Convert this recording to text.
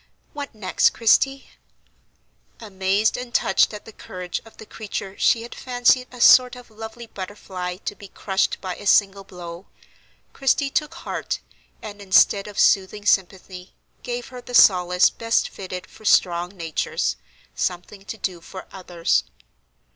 What next, Christie?" Amazed and touched at the courage of the creature she had fancied a sort of lovely butterfly to be crushed by a single blow, Christie took heart, and, instead of soothing sympathy, gave her the solace best fitted for strong natures, something to do for others.